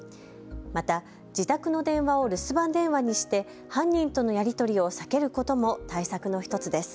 また自宅の電話を留守番電話にして犯人とのやり取りを避けることも対策の１つです。